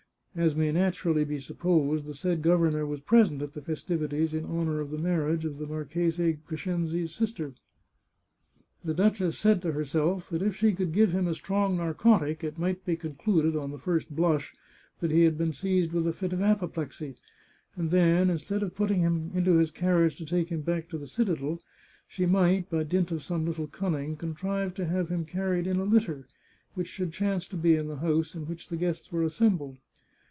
As may naturally be supposed, the said governor was present at the festivities in honour of the marriage of the Marchese Crescenzi's sister. The duchess said to herself that if she could give him a strong narcotic, 397 The Chartreuse of Parma it might be concluded, on the first blush, that he had been seized with a fit of apoplexy, and then, instead of putting him into his carriage to take him back to the citadel, she might, by dint of some little cunning, contrive to have him carried in a litter, which should chance to be in the house in which the guests were assembled.